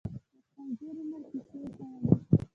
د خپل تېر عمر کیسې یې کولې.